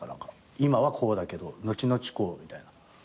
今はこうだけど後々こうみたいな。